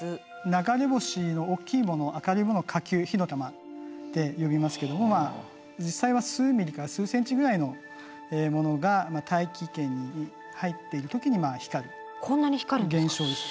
流れ星の大きいもの明るいものを火球火の玉って呼びますけれども実際は数ミリから数センチぐらいのものが大気圏に入っている時に光る現象です。